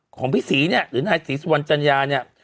ของพี่ศรีเนี่ยหรือนายศรีสุวรรณจัญญาเนี่ย